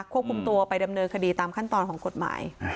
ควบคุมตัวไปดำเนินคดีตามขั้นตอนของกฎหมาย